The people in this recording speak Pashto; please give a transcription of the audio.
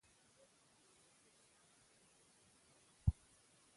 زه ښکاري یم زه به دام څنګه پلورمه